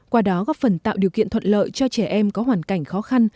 qua đó góp phần tạo điều kiện thuận lợi cho trẻ em có hoàn cảnh khó khăn